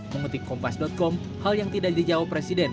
mengutip kompas com hal yang tidak dijawab presiden